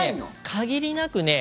限りなく